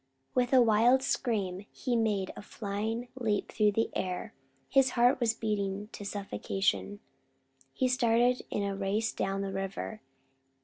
With a wild scream he made a flying leap through the air. His heart was beating to suffocation. He started in a race down the river.